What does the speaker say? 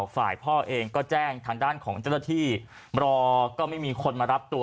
ฝ่ายพ่อเองก็แจ้งทางด้านของเจ้าหน้าที่รอก็ไม่มีคนมารับตัว